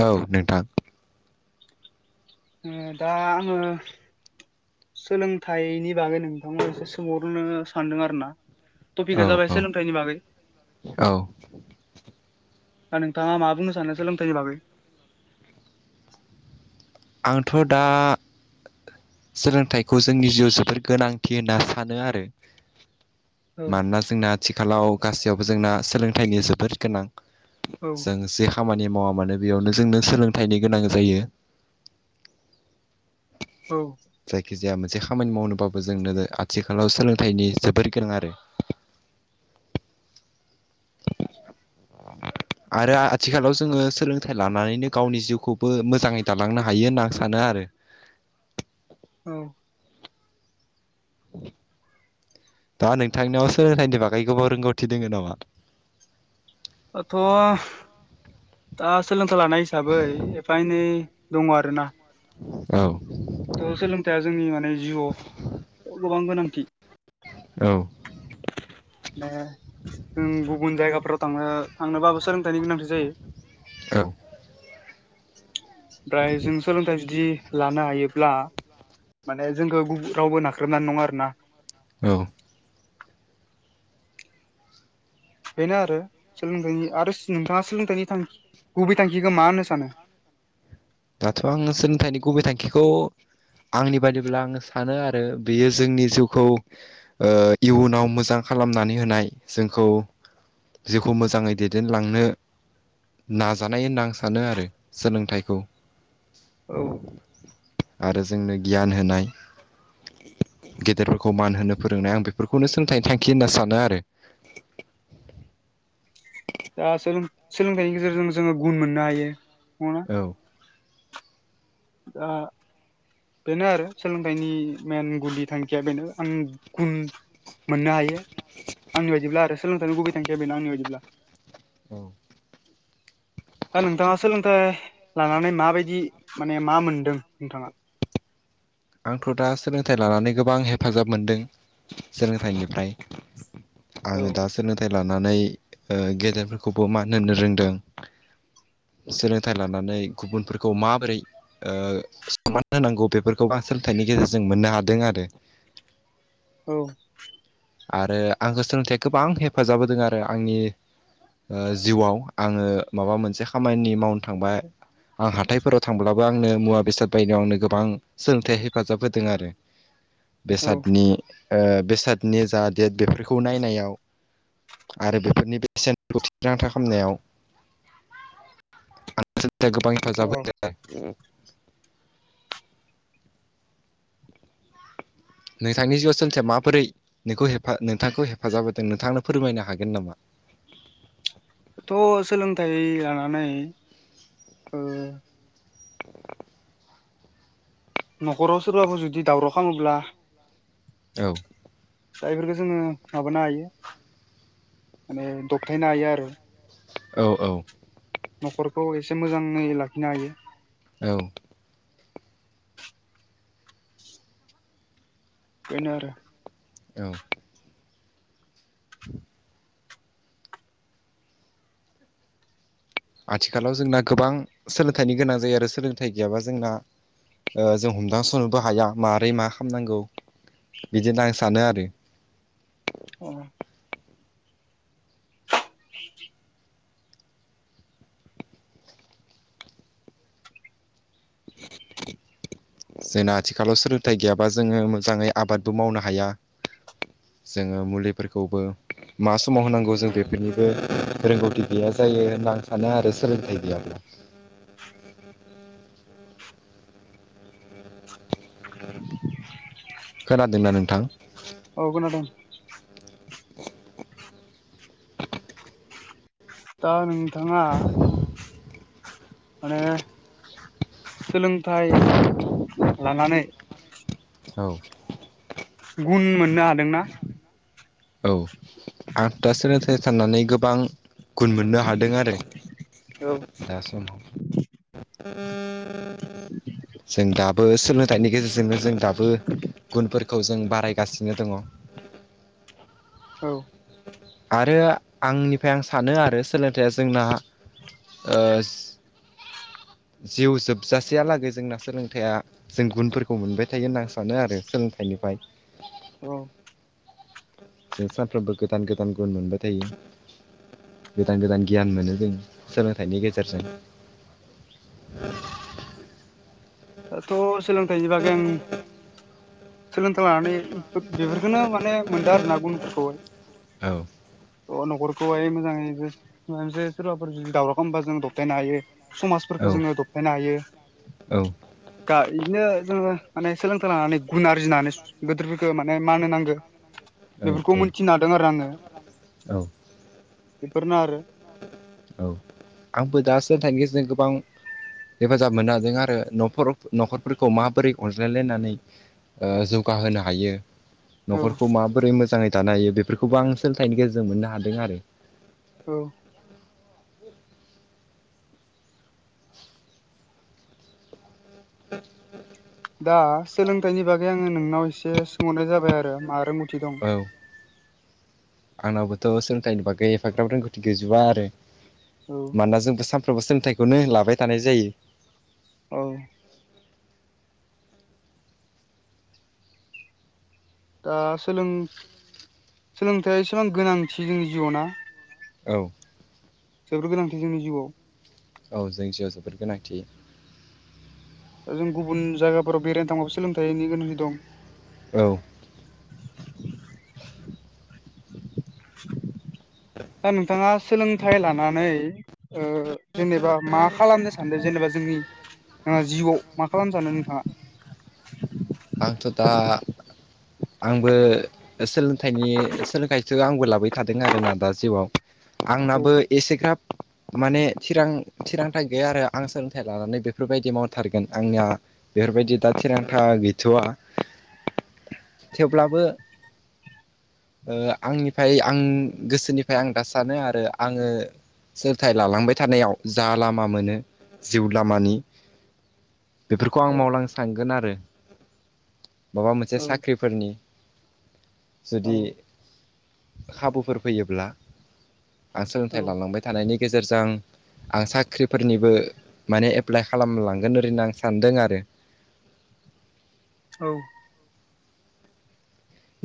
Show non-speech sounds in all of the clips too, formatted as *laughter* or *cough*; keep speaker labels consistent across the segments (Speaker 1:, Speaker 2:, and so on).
Speaker 1: औ नोंथां
Speaker 2: उम दा आङो सोलोंथाइनि बागै नोंथांमोन एसे सोंहरनो सानदों आरो ना
Speaker 1: औ
Speaker 2: टपिकआ जाबाय
Speaker 1: औ
Speaker 2: सोलोंथाइनि बागै
Speaker 1: औ
Speaker 2: दानोंथाङा मा बुंनो सानो सोलोंथाइनि बागै
Speaker 1: आंथ' दा सोलोंथाइखौ जोंनि जिउआव जोबोर गोनांथि होनना सानो आरो
Speaker 2: औ
Speaker 1: मानोना जोंना आथिखालाव गासैयावबो जोंना सोलोंथाइनि जोबोद गोनां
Speaker 2: औ
Speaker 1: जों जे खामानि मावा मानो बेयावनो जोंनो सोलोंथाइनि गोनां जायो
Speaker 2: औ
Speaker 1: जायखि जाया मोनसे खामानि मावनोबाबो जोंनो आथिखालाव सोलोंथाइनि जोबोर गोनां आरो।
Speaker 2: *inaudible*
Speaker 1: आरो आथिखालाव जोङो सोलोंथाइ लानानैनो गावनि जिउखौबो मोजाङै दालांनो हायो होनना आं सानो आरो।
Speaker 2: औ।
Speaker 1: दा नोंथांनियाव सोलोंथाइनि बागै गोबाव रोंगौथि दोङ नामा?
Speaker 2: आथ' दा सोलोंथाइ लानाय हिसाबै एफा एनै दङ आरोना।
Speaker 1: औ।
Speaker 2: थ' सोलोंथाइया जोंनि माने जिउआव गोबां गोनांथि।
Speaker 1: औ।
Speaker 2: जों गुबुन जायगाफोराव थांनो थांनोबाबो सोंलो नि गोनांथि जायो। ओमफ्राय जों सोलोंथाइ जुदि लानो हायोब्ला माने जोंखौ रावबो नाख्रेबनो हानाय नङा आरोना।
Speaker 1: औ।
Speaker 2: बेनो आरो सोलोंथाइनि आरो नोंथाङा सोलोंथाइनि थांखि गुबै थांखिखौ मा होननो सानो
Speaker 1: दाथ' आङो सोलोंथाइनि गुबै थांखिखौ। आंनि बादिब्ला आङो सानो आरो बियो जोंनि जिउखौ इयुनाव मोजां खालामनानै होनाय जोंखौ जेखौ मोजाङै दैदेनलांनो नाजानाय होनना आं सानो आरो सोलोंथाइखौ
Speaker 2: औ।
Speaker 1: आरो जोंनो गियान होनाय। गेदेरफोरखौ मान होनो फोरोंनाय आं बेफोरखौनो सोलोंथाइनि थांखि होनना सानो आरो। *inaudible*
Speaker 2: दा सोलोंथाइनि गेजेरजों जोङो गुन मोननो हायो नंङा।
Speaker 1: औ।
Speaker 2: दा। बेनो आरो सोलोंथाइनि मेइन गुदि थांखिया बेनो आं गुन मोननो हायो आंनि बादिब्ला आरो सोलोंथाइनि गुबै थांखिया बेनो आंनि बायदिब्ला
Speaker 1: औ।
Speaker 2: दा नोंथाङा सोलोंथाइ लानानै माबायदि माने मा मोनदों नोंथाङा
Speaker 1: आंथ' दा सोलोंथाइ लानानै गोबां हेफाजाब मोनदों सोलोंथाइनिफ्राय।
Speaker 2: औ
Speaker 1: आङो दा सोलोंथाइ लानानै गेदेरफोरखौबो मानो होननो रोंदों। सोलोंथाइ लानानै गुबुनफोरखौ माबोरै सनमान होनांगौ बेफोरखौ गोबां सोलोंथाइनि गेजेरजों मोननो हादों आरो।
Speaker 2: औ।
Speaker 1: आरो आंखौ सोलोंथाइ गोबां हेफाजाब होदों आरो आंनि। जिउआव आङो माबा मोनसे खामानि मावनो थांबाय आं हाथायफोराव थांब्लाबो आंनो मुवा बेसाद बायनायाव आंनो गोबां सोलोंथाइ हेफाजाब होदों आरो।
Speaker 2: *inaudible*
Speaker 1: बेसादनि बेसादनि जा डेट बेफोरखौ नायनायाव। आरो बेफोरनि बेसेनखौ थिरांथा खालामनायाव। गोबां हेफाजाब
Speaker 2: औ
Speaker 1: होदों नोंथांनि जिउआव सोलोंथाया माबोरै नोंखौ नोंथांखौ हेफाजाब होदों नोंथांनो फोरमायनो हागोन नामा।
Speaker 2: थ' सोलोंथाइ लानानै ओ न'खराव सोरबाफोर जुदि दावराव खालामोब्ला
Speaker 1: औ।
Speaker 2: दा बेफोरफोरखौ जोङो माबानो हायो माने दबथायनो हायो आरो।
Speaker 1: औ औ।
Speaker 2: न'खरखौ एसे मोजाङै लाखिनो हायो
Speaker 1: औ।
Speaker 2: बेनो आरो।
Speaker 1: औ आथिखालाव जोंना गोबां सोलोंथाइनि गोनां जायो आरो सोलोंथाइ गैयाबा जोंना जों हमदांसरनोबो हाया माबारै मा खालामनांगौ बिदिनो आं सानो आरो।
Speaker 2: अ।
Speaker 1: जोंना आथिखालाव सोलोंथाइ गैयाबा जोङो मोजाङै आबादबो मावनो हाया। जोङो मुलिफोरखौबो मा समाव होनांगौ जों बेफोरनिबो रोंगौथि गैया जायो होनना आं सानो आरो सोलोंथाइ गैयाब्ला *inaudible*
Speaker 2: *inaudible*
Speaker 1: खोनादोंना नोंथां?
Speaker 2: औ खोनादों
Speaker 1: *inaudible*
Speaker 2: दा नोंथाङा माने सोलोंथाइ लानानै
Speaker 1: औ
Speaker 2: गुन मोननो हादोंना?
Speaker 1: औ आत दा सोलोंथाइ थानानै गोबां गुन मोननो हादों आरो
Speaker 2: औ
Speaker 1: दा सम *inaudible* जों दाबो सोलोंथाइनि गेजेरजोंनो जों दाबो गुनफोरखौ जों बारायगासिनो दङ
Speaker 2: औ
Speaker 1: आरो आंनिफ्राय आं सानो आरो सोलोंथाइया जोंना ओस जिउ जोबजासेयालागै जोंना सोलोंथाइया जों गुनफोरखौ मोनबाय थायो होनना आं सानो आरो सोलोंथाइनिफ्राय
Speaker 2: औ
Speaker 1: जों सानफ्रोमबो गोदान गोदान गुन मोनबाय थायो गोदान गोदान गियान मोनो जों सोलोंथाइनि गेजेरजों
Speaker 2: दाथ' सोलोंथाइनि बागै आं सोलोंथाइ लानानै बेफोरखोनो माने मोनदों आरोना गुणफोरखौहाय
Speaker 1: औ
Speaker 2: अ न'खरखौहाय मोजाङै जो मो जो सोरबाफोर जुदि दावराव खालामबा जों दबथायनो हायो
Speaker 1: औ
Speaker 2: समाजफोरखो जोङो दबथायनो हायो
Speaker 1: औ
Speaker 2: गा इदिनो जोङो माने सोलोंथाइ लानानै गुण आरजिनानै सु गोदोरफोरखौ माने मान होनांगो
Speaker 1: औ
Speaker 2: बेफोरखौ
Speaker 1: औ
Speaker 2: मोनथिनो हादों आरो आङो
Speaker 1: औ
Speaker 2: बिफोर नो आरो
Speaker 1: औ आंबो दासो सोंथाइनि गेजेरजों गोबां हेफाजाब मोनो हादों आरो न'खर न'खरफोरखौ माबोरै अनज्लायलायनानै ओ जौगाहोनो हायो
Speaker 2: औ
Speaker 1: न'खरखौ माबोरै मोजाङै दानो हायो बेफोरखौबो आं सोलोंथाइनि गेजेरजों मोननो हादों आरो
Speaker 2: औ दा सोलोंथाइनि बागै आङो नोंनाव एसे सोंहरनाय जाबाय आरो मा रोंगौथि दं
Speaker 1: औ आंनावबोथ' सोलोंथाइ बागै एफाग्राब रोंगौथि गैजोबा आरो
Speaker 2: औ
Speaker 1: मानोना जोंबो सानफ्रोमबो सोलोंथाइखौनो लाबाय थानाय जायो।
Speaker 2: औ दा सोलों सोलोंथाइया एसेबां गोनांथि जोंनि जिउआवना
Speaker 1: औ
Speaker 2: जोबोर गोनांथि जोंनि जिउआव
Speaker 1: औ जोंनि जिउआव जोबोर गोनांथि
Speaker 2: जों गुबुन जायगाफोराव बेरायनो थांबाबो सोलोंथाइनि गोनांथि दं
Speaker 1: औ
Speaker 2: दा नोंथाङा सोलोंथाइ लानानै ओ जेनेबा मा खालामनो सानदों जेनेबा जोंनि नोंहा जिउआव मा खालाम सानो नोंथाङा?
Speaker 1: आंथ' दा आंबो सोलोंथाइनि सोलोंथाइसो आंबो लाबो थादों आरोना दा जिउआव
Speaker 2: औ
Speaker 1: आंनाबो एसेग्राब माने थिरां थिरांथा गैया आरो आं सोलोंथाइ लानानै बेफोरबायदि मावथारगोन आंनिया बेफोरबायदि दा थिरांथा गैथ'वा थेवब्लाबो आंनिफ्राय आं गोसोनिफ्राय आं दा सानो आरो आङो सोलोंथाइ लालांबाय थानायाव जा लामा मोनो जिउ लामानि बेफोरखौ
Speaker 2: औ
Speaker 1: आं मावलांनो सानगोन आरो। माबा मोनसे
Speaker 2: औ
Speaker 1: साख्रिफोरनि
Speaker 2: औ
Speaker 1: जुदि खाबुफोर फैयोब्ला आं सोलोंथाइ लालांबाय था थानायनि गेजेरजों आं साख्रिफोरनिबो माने एप्लाइ खालामलांगोन ओरैनो आं सानदों आरो
Speaker 2: औ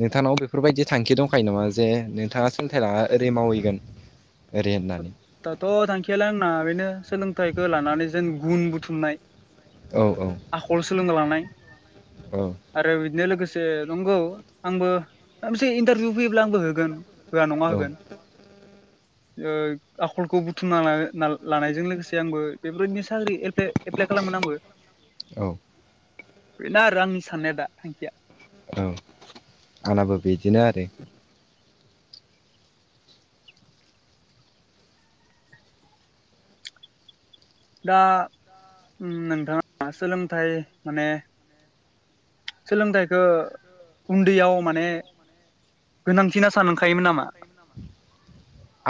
Speaker 1: नोंथांनाव बेफोरबायदि थांखि दंखायो नामा जे नोंथाङा सोंथाइ ला ओरै मावहैगोन ओरै होननानै
Speaker 2: दाथ' थांखियालाय आंना बेनो सोलोंथाइखौ लानानै जों गुन बुथुमनाय
Speaker 1: औ औ
Speaker 2: आखल सोलोंनो लानाय
Speaker 1: औ
Speaker 2: आरो बिदिनो लोगोसे नंगौ आंबो मोनसे इन्टारभिउ फैयोब्ला आंबो होगोन। होआ नङा
Speaker 1: औ
Speaker 2: होगोन। ओ आखलखौ बुथुमना ला-ना- लानायजों लोगोसे आंबो बेफोराददिनो साख्रि एलफे एप्लाइ खालामगोन आंबो
Speaker 1: औ
Speaker 2: बेना आरो आंनि साननाया दा थांखिया।
Speaker 1: औ आंनाबो बिदिनो आरो
Speaker 2: दा नोंथाङा सोलोंथाइ माने सोलोंथाइखौ उन्दैयाव माने गोनांथिना सानखायोमोन नामा?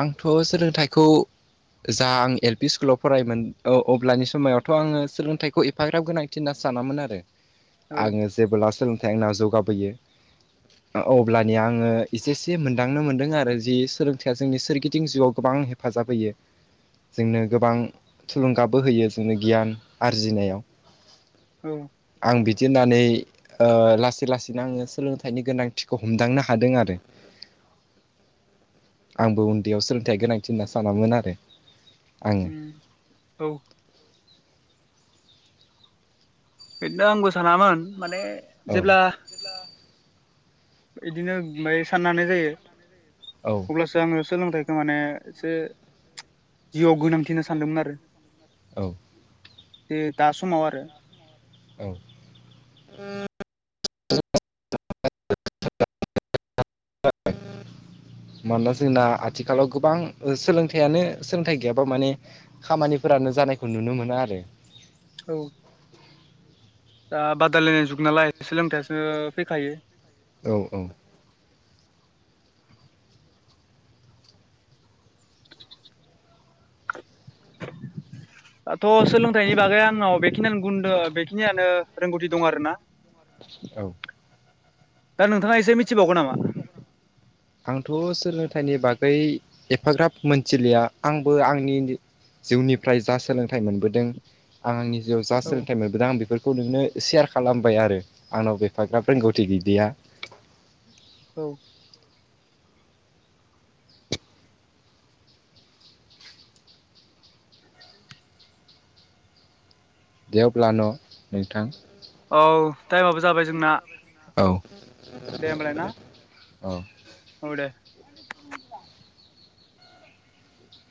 Speaker 1: आंथ' सोलोंथाइखौ जा आं एल पि स्कुलाव फरायोमोन अब्लानि समायावथ' आङो सोलोंथाइखौ एफाग्राब गोनां सानामोन आरो
Speaker 2: *inaudible*
Speaker 1: आङो जेबोब्ला सोलोंथाइ आंनाव जौगाबोयो। अब्लानि आङो एसेसे मोनदांनो मोन्दों आरो जि सोलों जोंनि सोरगिदिं जिउआव गोबां हेफाजाब होयो। जोंनो गोबां थुलुंगाबो होयो जोंनो गियान आरजिनायाव
Speaker 2: औ
Speaker 1: आं बिदि होननानै ओ लासै लासैनो आङो सोलोंथाइनि गोनांथिखौ हमदांनो हादों आरो। आंबो उन्दैयाव सोलोंथाइया गोनांथि होनना सानामोन आरो। आङो
Speaker 2: औ बेदिनो आंबो सानामोन माने
Speaker 1: औ
Speaker 2: जेब्ला इदिनो फ्राय साननाय जायो।
Speaker 1: औ
Speaker 2: अब्लासो आङो सोलोंथाइखौ माने एसे जिउआव गोनांथि इदि होनना सानदोंमोन आरो
Speaker 1: औ
Speaker 2: दे दा समाव आरो
Speaker 1: औ उम *unintelligible* मानोना जोंना आथिखालाव गोबां सोलोंथाइयानो सोलोंथाइ गैयाबा माने खामानिफोरानो जानायखौ नुनो मोना आरो।
Speaker 2: औ दा बादायलायनाय जुग नालाय सोलोंथाइसो फैखायो।
Speaker 1: औ औ
Speaker 2: *unintelligible* दाथ' सोलोंथाइनि बागै आंनाव बेखिनियानो गुन दोङो बेखिनियानो रोंगौथि दं आरो ना
Speaker 1: औ
Speaker 2: दा नोंथाङा एसे मिथिबावगौ नामा?
Speaker 1: आंथ' सोलोंथाइनि बागै एफाग्राब मोनथिलिया आंबो आंनि जिउनिफ्राय जा सोलोंथाइ मोनबोदों आं आंनि जिउआव जा
Speaker 2: औ
Speaker 1: सोलोंथाइ मोन दा आं बेफोरखौ नोंनो सेयार खालामबाय आरो आंनाव एफाग्राब रोंगौथि गैदिया।
Speaker 2: औ
Speaker 1: दे अब्ला न' नोंथां
Speaker 2: औ टाइमाबो जाबाय जोंना।
Speaker 1: औ
Speaker 2: दे होमबालाय ना
Speaker 1: औ
Speaker 2: औ दे।